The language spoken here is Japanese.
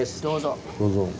どうぞ。